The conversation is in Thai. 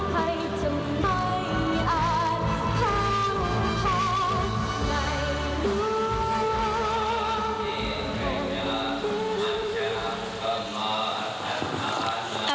ไม่รู้